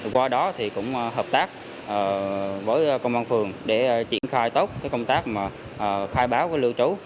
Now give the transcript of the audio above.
qua đó thì cũng hợp tác với công an phường để triển khai tốt cái công tác mà khai báo với lưu trú